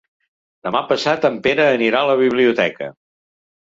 Demà passat en Pere anirà a la biblioteca.